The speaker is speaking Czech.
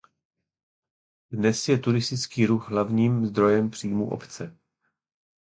Dnes je turistický ruch hlavním zdrojem příjmů obce.